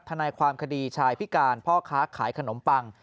ทนายความคดีชายพิการพ่อค้าขายขนมปัง